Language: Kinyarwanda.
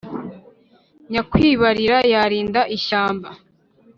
nyakwibarira yarinda ishyamba.